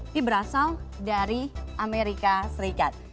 ini berasal dari amerika serikat